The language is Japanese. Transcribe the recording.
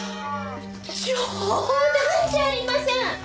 冗談じゃありません！